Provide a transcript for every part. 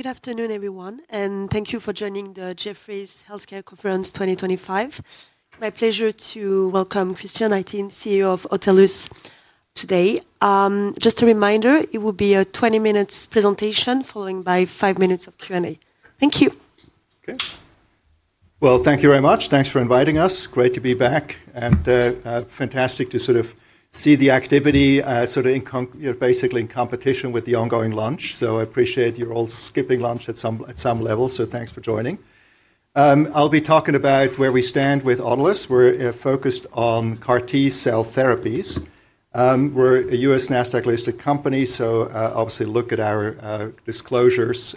Good afternoon, everyone, and thank you for joining the Jefferies Healthcare Conference 2025. My pleasure to welcome Christian Itin, CEO of Autolus today. Just a reminder, it will be a 20-minute presentation followed by five minutes of Q&A. Thank you. Thank you very much. Thanks for inviting us. Great to be back and fantastic to sort of see the activity sort of basically in competition with the ongoing launch. I appreciate you're all skipping lunch at some level, so thanks for joining. I'll be talking about where we stand with Autolus. We're focused on CAR-T cell therapies. We're a U.S. Nasdaq-listed company, so obviously look at our disclosures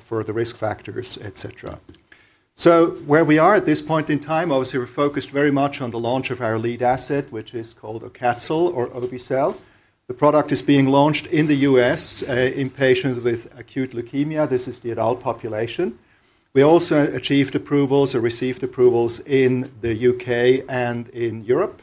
for the risk factors, etc. Where we are at this point in time, obviously we're focused very much on the launch of our lead asset, which is called Aucatzyl or OBE-cel. The product is being launched in the U.S. in patients with acute leukemia. This is the adult population. We also achieved approvals or received approvals in the U.K. and in Europe.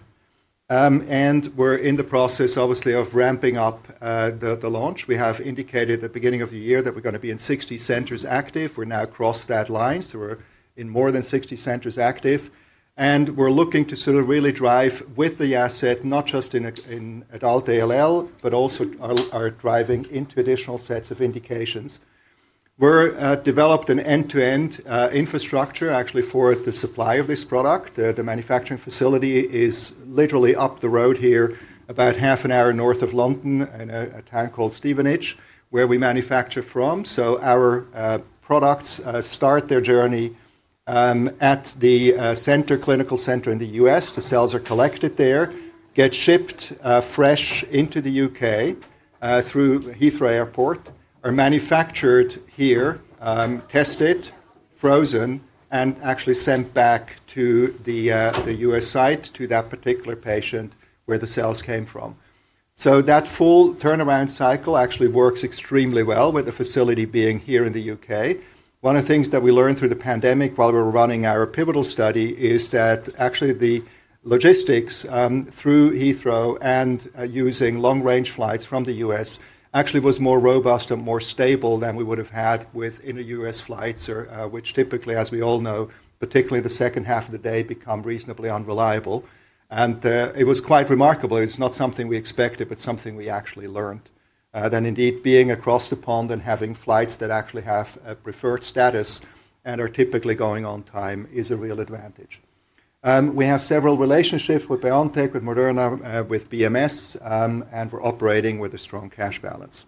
We're in the process, obviously, of ramping up the launch. We have indicated at the beginning of the year that we're going to be in 60 centers active. We're now across that line, so we're in more than 60 centers active. We're looking to sort of really drive with the asset, not just in adult ALL, but also are driving into additional sets of indications. We've developed an end-to-end infrastructure, actually, for the supply of this product. The manufacturing facility is literally up the road here, about half an hour north of London, in a town called Stevenage, where we manufacture from. Our products start their journey at the clinical center in the U.S. The cells are collected there, get shipped fresh into the U.K. through Heathrow Airport, are manufactured here, tested, frozen, and actually sent back to the U.S. site to that particular patient where the cells came from. That full turnaround cycle actually works extremely well, with the facility being here in the U.K. One of the things that we learned through the pandemic while we were running our pivotal study is that actually the logistics through Heathrow and using long-range flights from the U.S. actually was more robust and more stable than we would have had with inter-U.S. flights, which typically, as we all know, particularly the second half of the day, become reasonably unreliable. It was quite remarkable. It's not something we expected, but something we actually learned that indeed being across the pond and having flights that actually have a preferred status and are typically going on time is a real advantage. We have several relationships with BioNTech, with Moderna, with BMS, and we're operating with a strong cash balance.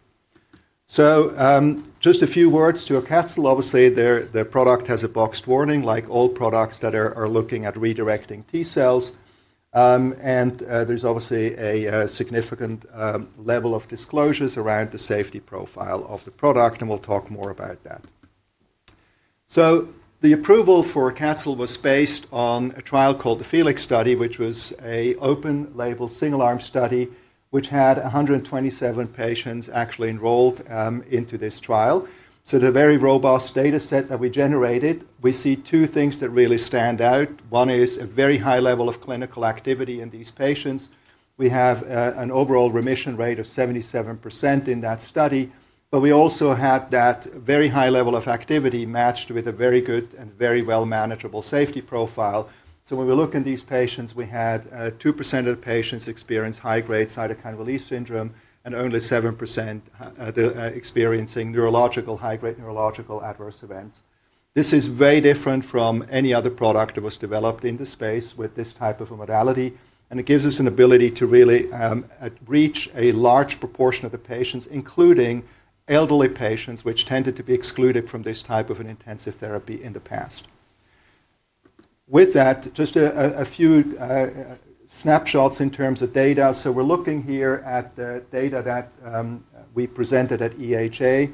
Just a few words to Aucatzyl. Obviously, the product has a boxed warning, like all products that are looking at redirecting T-cells. There is obviously a significant level of disclosures around the safety profile of the product, and we'll talk more about that. The approval for Aucatzyl was based on a trial called the FELIX study, which was an open-label single-arm study, which had 127 patients actually enrolled into this trial. It is a very robust data set that we generated. We see two things that really stand out. One is a very high level of clinical activity in these patients. We have an overall remission rate of 77% in that study. We also had that very high level of activity matched with a very good and very well-manageable safety profile. When we look at these patients, we had 2% of the patients experience high-grade cytokine release syndrome and only 7% experiencing high-grade neurological adverse events. This is very different from any other product that was developed in the space with this type of a modality. It gives us an ability to really reach a large proportion of the patients, including elderly patients, which tended to be excluded from this type of an intensive therapy in the past. With that, just a few snapshots in terms of data. We're looking here at the data that we presented at EHA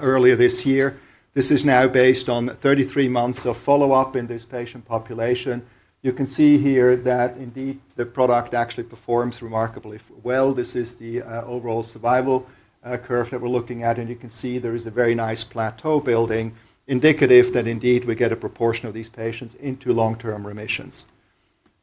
earlier this year. This is now based on 33 months of follow-up in this patient population. You can see here that indeed the product actually performs remarkably well. This is the overall survival curve that we're looking at. You can see there is a very nice plateau building, indicative that indeed we get a proportion of these patients into long-term remissions.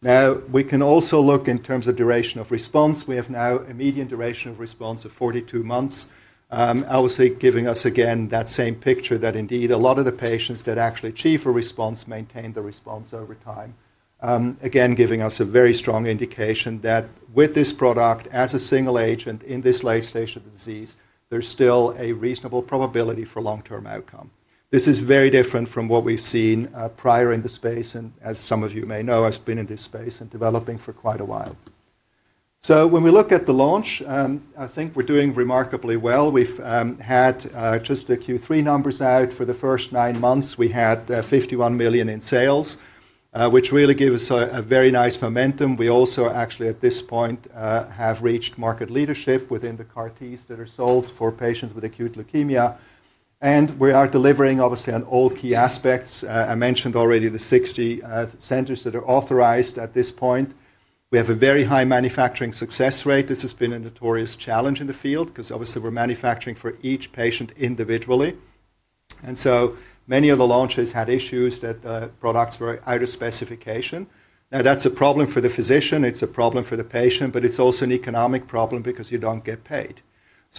Now, we can also look in terms of duration of response. We have now a median duration of response of 42 months, obviously giving us again that same picture that indeed a lot of the patients that actually achieve a response maintain the response over time, again giving us a very strong indication that with this product, as a single agent in this late stage of the disease, there's still a reasonable probability for long-term outcome. This is very different from what we've seen prior in the space. As some of you may know, I've been in this space and developing for quite a while. When we look at the launch, I think we're doing remarkably well. We've had just the Q3 numbers out. For the first nine months, we had $51 million in sales, which really gives us a very nice momentum. We also actually at this point have reached market leadership within the CAR-Ts that are sold for patients with acute leukemia. We are delivering, obviously, on all key aspects. I mentioned already the 60 centers that are authorized at this point. We have a very high manufacturing success rate. This has been a notorious challenge in the field because obviously we are manufacturing for each patient individually. Many of the launches had issues that products were out of specification. That is a problem for the physician. It is a problem for the patient, but it is also an economic problem because you do not get paid.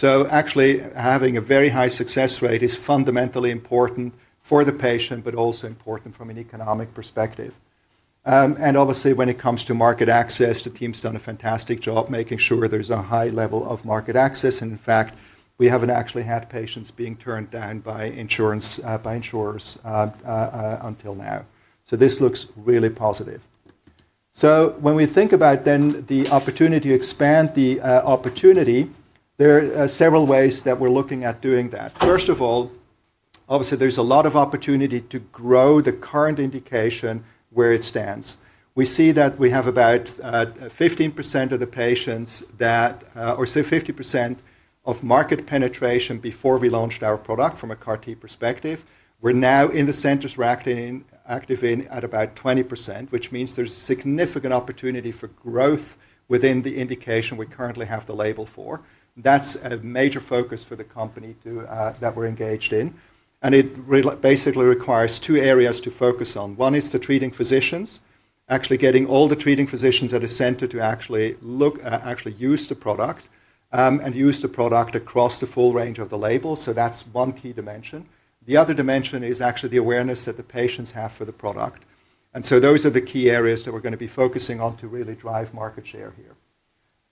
Actually having a very high success rate is fundamentally important for the patient, but also important from an economic perspective. Obviously, when it comes to market access, the team's done a fantastic job making sure there's a high level of market access. In fact, we haven't actually had patients being turned down by insurers until now. This looks really positive. When we think about then the opportunity to expand the opportunity, there are several ways that we're looking at doing that. First of all, obviously, there's a lot of opportunity to grow the current indication where it stands. We see that we have about 15% of the patients that, or say 50% of market penetration before we launched our product from a CAR-T perspective. We're now in the centers we're active in at about 20%, which means there's a significant opportunity for growth within the indication we currently have the label for. That's a major focus for the company that we're engaged in. It basically requires two areas to focus on. One is the treating physicians, actually getting all the treating physicians at a center to actually use the product and use the product across the full range of the label. That is one key dimension. The other dimension is actually the awareness that the patients have for the product. Those are the key areas that we are going to be focusing on to really drive market share here.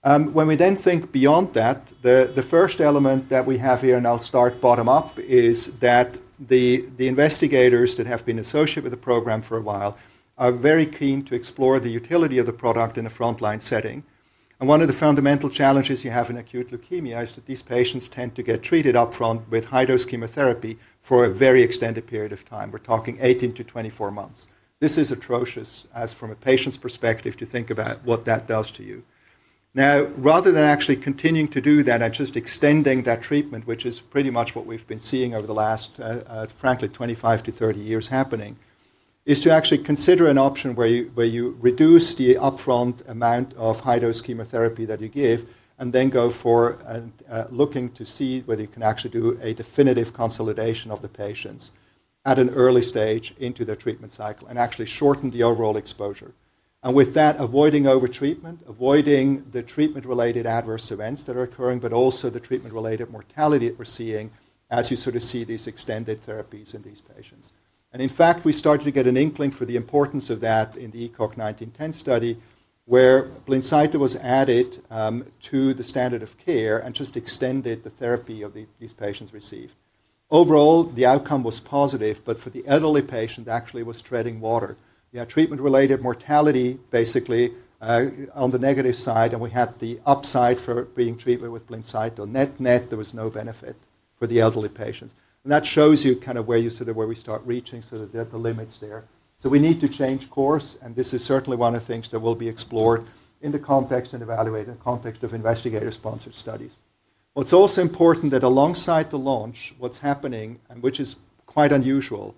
When we then think beyond that, the first element that we have here, and I will start bottom up, is that the investigators that have been associated with the program for a while are very keen to explore the utility of the product in a frontline setting. One of the fundamental challenges you have in acute leukemia is that these patients tend to get treated upfront with high-dose chemotherapy for a very extended period of time. We're talking 18-24 months. This is atrocious from a patient's perspective to think about what that does to you. Now, rather than actually continuing to do that and just extending that treatment, which is pretty much what we've been seeing over the last, frankly, 25-30 years happening, is to actually consider an option where you reduce the upfront amount of high-dose chemotherapy that you give and then go for looking to see whether you can actually do a definitive consolidation of the patients at an early stage into their treatment cycle and actually shorten the overall exposure. With that, avoiding over-treatment, avoiding the treatment-related adverse events that are occurring, but also the treatment-related mortality that we are seeing as you sort of see these extended therapies in these patients. In fact, we started to get an inkling for the importance of that in the ECOG-1910 study where Blincyto was added to the standard of care and just extended the therapy these patients received. Overall, the outcome was positive, but for the elderly patient, that actually was treading water. We had treatment-related mortality basically on the negative side, and we had the upside for being treated with Blincyto. Net-net, there was no benefit for the elderly patients. That shows you kind of where we start reaching the limits there. We need to change course. This is certainly one of the things that will be explored in the context and evaluated in the context of investigator-sponsored studies. What's also important that alongside the launch, what's happening, which is quite unusual,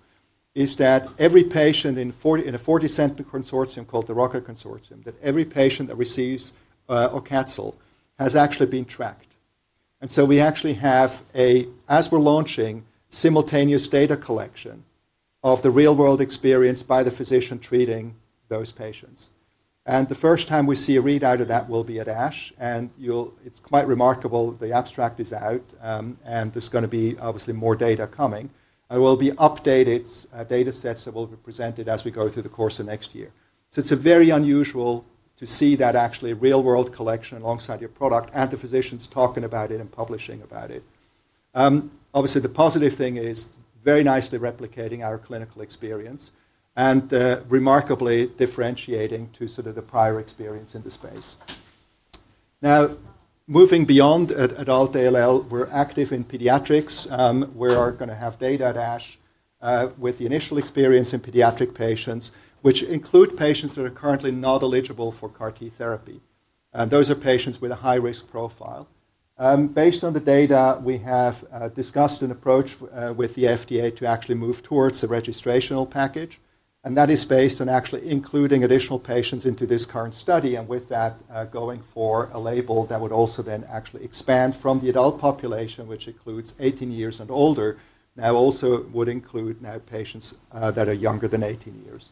is that every patient in a 40-center consortium called the ROCCA Consortium, that every patient that receives Aucatzyl has actually been tracked. We actually have, as we're launching, simultaneous data collection of the real-world experience by the physician treating those patients. The first time we see a readout of that will be at ASH, and it's quite remarkable. The abstract is out, and there's going to be obviously more data coming. There will be updated data sets that will be presented as we go through the course of next year. It's very unusual to see that actually real-world collection alongside your product and the physicians talking about it and publishing about it. Obviously, the positive thing is very nicely replicating our clinical experience and remarkably differentiating to sort of the prior experience in the space. Now, moving beyond adult ALL, we're active in pediatrics. We're going to have data at ASH with the initial experience in pediatric patients, which include patients that are currently not eligible for CAR-T therapy. Those are patients with a high-risk profile. Based on the data, we have discussed an approach with the FDA to actually move towards a registrational package. That is based on actually including additional patients into this current study and with that going for a label that would also then actually expand from the adult population, which includes 18 years and older, now also would include now patients that are younger than 18 years.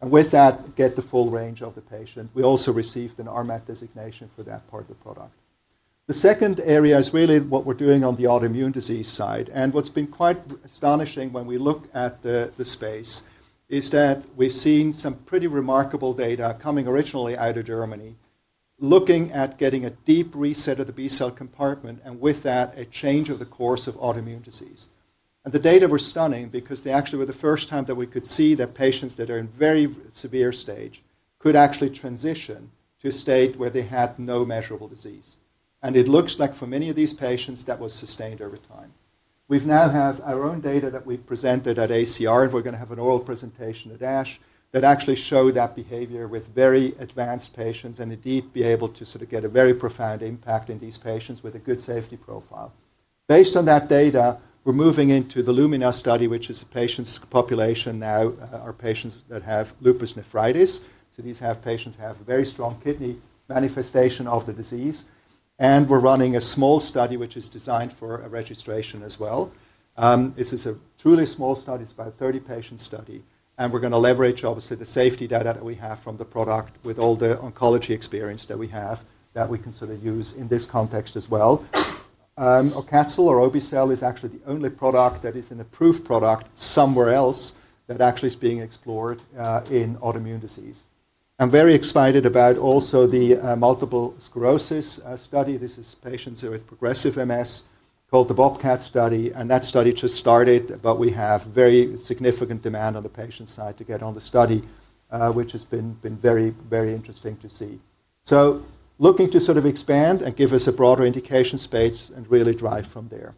With that, get the full range of the patient. We also received an RMAT designation for that part of the product. The second area is really what we're doing on the autoimmune disease side. What's been quite astonishing when we look at the space is that we've seen some pretty remarkable data coming originally out of Germany, looking at getting a deep reset of the B-cell compartment and with that, a change of the course of autoimmune disease. The data were stunning because they actually were the first time that we could see that patients that are in very severe stage could actually transition to a state where they had no measurable disease. It looks like for many of these patients, that was sustained over time. We now have our own data that we've presented at ACR, and we're going to have an oral presentation at ASH that actually showed that behavior with very advanced patients and indeed be able to sort of get a very profound impact in these patients with a good safety profile. Based on that data, we're moving into the LUMINA study, which is a patient's population now, our patients that have lupus nephritis. These patients have very strong kidney manifestation of the disease. We're running a small study, which is designed for registration as well. This is a truly small study. It's about a 30-patient study. We're going to leverage, obviously, the safety data that we have from the product with all the oncology experience that we have that we can sort of use in this context as well. Aucatzyl or OBE-cel is actually the only product that is an approved product somewhere else that actually is being explored in autoimmune disease. I'm very excited about also the multiple sclerosis study. This is patients with progressive MS called the BOBCAT study. That study just started, but we have very significant demand on the patient side to get on the study, which has been very, very interesting to see. Looking to sort of expand and give us a broader indication space and really drive from there.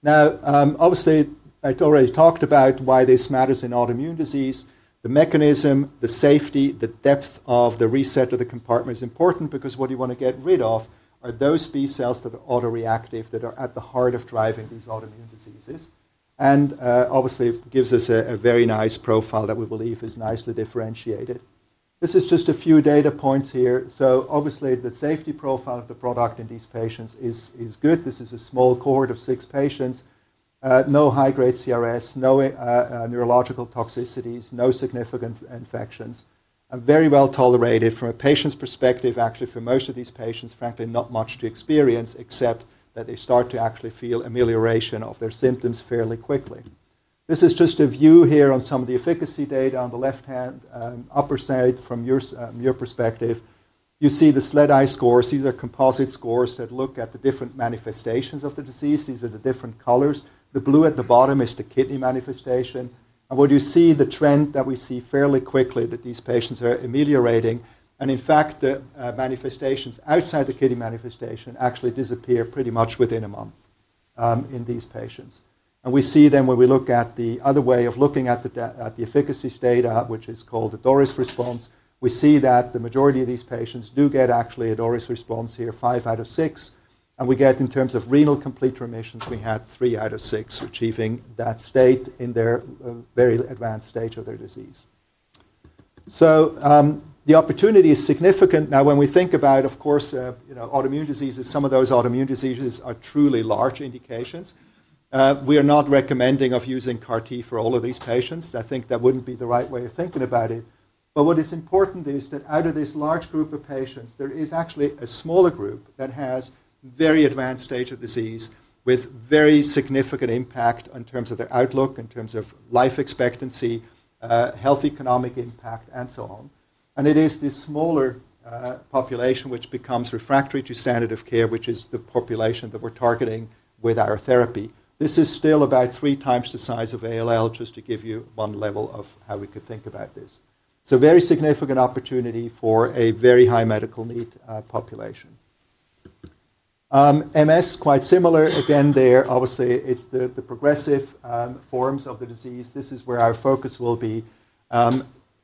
Now, obviously, I already talked about why this matters in autoimmune disease. The mechanism, the safety, the depth of the reset of the compartment is important because what you want to get rid of are those B-cells that are autoreactive that are at the heart of driving these autoimmune diseases. Obviously, it gives us a very nice profile that we believe is nicely differentiated. This is just a few data points here. Obviously, the safety profile of the product in these patients is good. This is a small cohort of six patients. No high-grade CRS, no neurological toxicities, no significant infections. Very well tolerated from a patient's perspective, actually for most of these patients, frankly, not much to experience except that they start to actually feel amelioration of their symptoms fairly quickly. This is just a view here on some of the efficacy data on the left-hand upper side from your perspective. You see the SLEDAI scores. These are composite scores that look at the different manifestations of the disease. These are the different colors. The blue at the bottom is the kidney manifestation. What you see, the trend that we see fairly quickly, is that these patients are ameliorating. In fact, the manifestations outside the kidney manifestation actually disappear pretty much within a month in these patients. We see then, when we look at the other way of looking at the efficacy state, which is called the DORIS response, that the majority of these patients do get actually a DORIS response here, five out of six. We get, in terms of renal complete remissions, three out of six achieving that state in their very advanced stage of their disease. The opportunity is significant. Now, when we think about, of course, autoimmune diseases, some of those autoimmune diseases are truly large indications. We are not recommending using CAR-T for all of these patients. I think that wouldn't be the right way of thinking about it. What is important is that out of this large group of patients, there is actually a smaller group that has very advanced stage of disease with very significant impact in terms of their outlook, in terms of life expectancy, health economic impact, and so on. It is this smaller population which becomes refractory to standard of care, which is the population that we're targeting with our therapy. This is still about three times the size of ALL, just to give you one level of how we could think about this. Very significant opportunity for a very high medical need population. MS, quite similar again there. Obviously, it's the progressive forms of the disease. This is where our focus will be.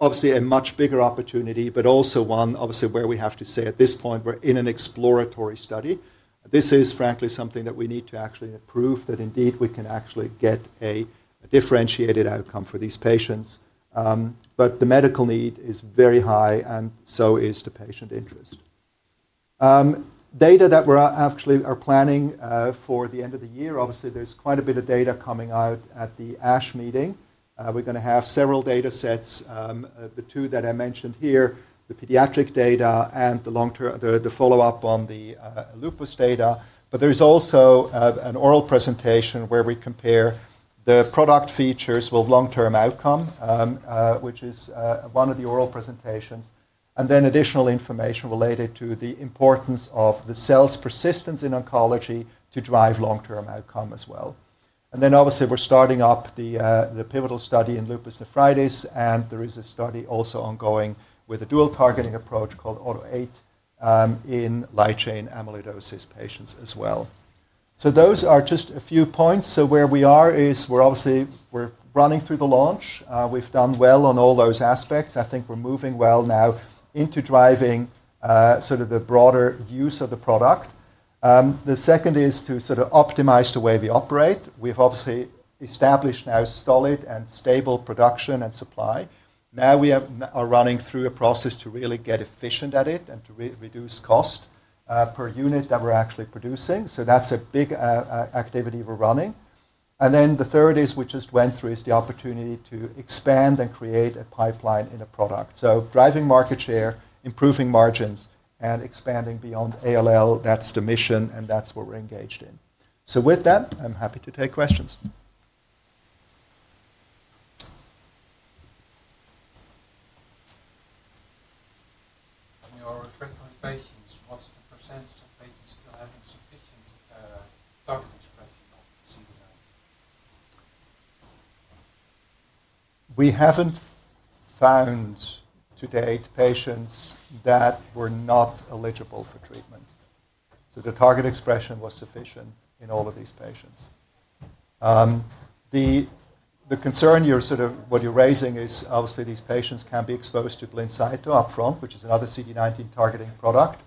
Obviously, a much bigger opportunity, but also one obviously where we have to say at this point, we're in an exploratory study. This is frankly something that we need to actually prove that indeed we can actually get a differentiated outcome for these patients. But the medical need is very high, and so is the patient interest. Data that we actually are planning for the end of the year, obviously, there's quite a bit of data coming out at the ASH meeting. We're going to have several data sets, the two that I mentioned here, the pediatric data and the follow-up on the lupus data. But there is also an oral presentation where we compare the product features with long-term outcome, which is one of the oral presentations. Additional information related to the importance of the cells' persistence in oncology to drive long-term outcome as well. Obviously, we're starting up the pivotal study in lupus nephritis. There is a study also ongoing with a dual-targeting approach called AutoAid in light-chain amyloidosis patients as well. Those are just a few points. Where we are is we're obviously running through the launch. We've done well on all those aspects. I think we're moving well now into driving sort of the broader use of the product. The second is to sort of optimize the way we operate. We've obviously established now solid and stable production and supply. Now we are running through a process to really get efficient at it and to reduce cost per unit that we're actually producing. That's a big activity we're running. The third is we just went through is the opportunity to expand and create a pipeline in a product. Driving market share, improving margins, and expanding beyond ALL, that's the mission, and that's what we're engaged in. With that, I'm happy to take questions. In your reference patients, what's the percentage of patients who are having sufficient target expression of CD19? We haven't found to date patients that were not eligible for treatment. So the target expression was sufficient in all of these patients. The concern you're sort of what you're raising is obviously these patients can be exposed to Blincyto upfront, which is another CD19 targeting product.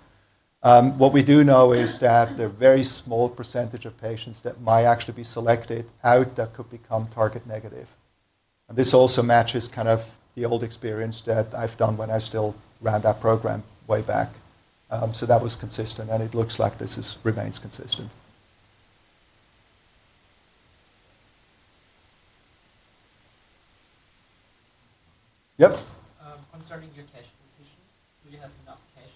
What we do know is that there are very small percentage of patients that might actually be selected out that could become target negative. And this also matches kind of the old experience that I've done when I still ran that program way back. So that was consistent, and it looks like this remains consistent. Yep? Concerning your cash position, do you have enough cash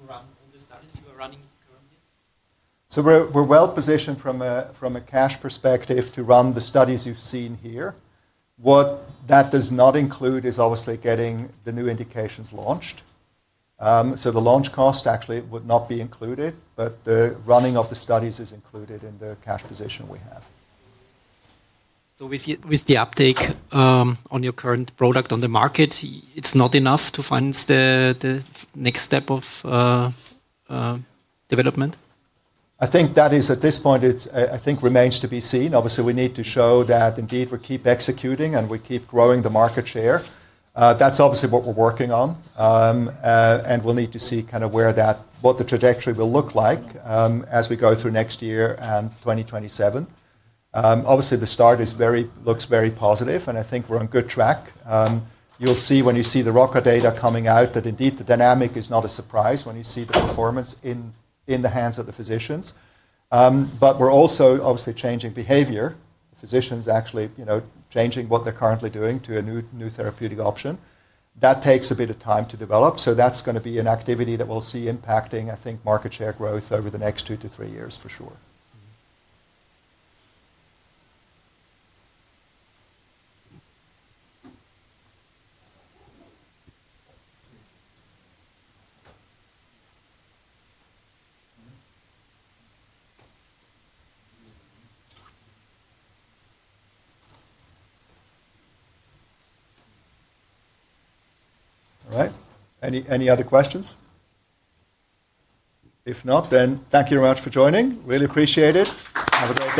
to run all the studies you are running currently? We're well positioned from a cash perspective to run the studies you've seen here. What that does not include is obviously getting the new indications launched. The launch cost actually would not be included, but the running of the studies is included in the cash position we have. With the uptake on your current product on the market, it's not enough to finance the next step of development? I think that is at this point, I think, remains to be seen. Obviously, we need to show that indeed we keep executing and we keep growing the market share. That is obviously what we are working on. We will need to see kind of what the trajectory will look like as we go through next year and 2027. Obviously, the start looks very positive, and I think we are on good track. You will see when you see the ROCCA data coming out that indeed the dynamic is not a surprise when you see the performance in the hands of the physicians. We are also obviously changing behavior. The physicians are actually changing what they are currently doing to a new therapeutic option. That takes a bit of time to develop. That's going to be an activity that we'll see impacting, I think, market share growth over the next two to three years for sure. All right. Any other questions? If not, then thank you very much for joining. Really appreciate it. Have a great day.